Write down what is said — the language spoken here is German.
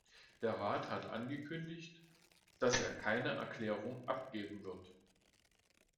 Der Rat hat angekündigt, dass er keine Erklärung abgeben wird.